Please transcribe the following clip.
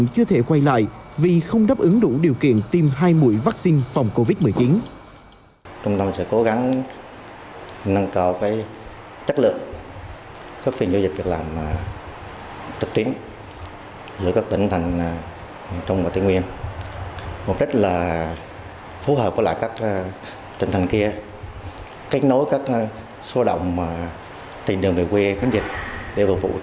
chưa thể quay lại vì không đáp ứng đủ điều kiện tiêm hai mũi vaccine phòng covid một mươi chín